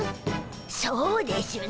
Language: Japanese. そうでしゅな。